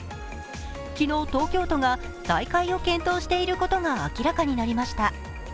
昨日、東京都が再開を検討していることが明らかになりました。